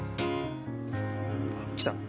来た！